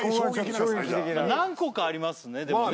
何個かありますねでもね